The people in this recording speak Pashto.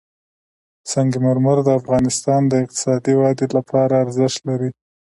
سنگ مرمر د افغانستان د اقتصادي ودې لپاره ارزښت لري.